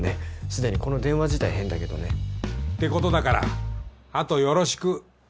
すでにこの電話自体変だけどね。ってことだからあとよろしく。